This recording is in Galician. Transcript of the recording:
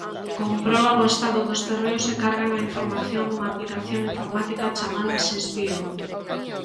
Comproban o estado dos terreos e cargan a información nunha aplicación informática chamada Xesbio.